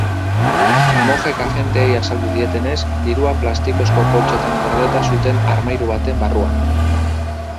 Mojek agenteei azaldu dietenez, dirua plastikozko poltsetan gordeta zuten armairu baten barruan.